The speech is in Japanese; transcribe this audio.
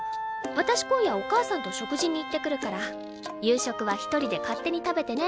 私今夜お母さんと食事に行ってくるから夕食は１人で勝手に食べてね。